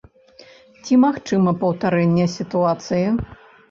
Ці магчыма паўтарэнне сітуацыі?